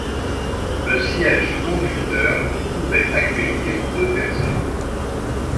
Le siège conducteur pouvait accueillir deux personnes.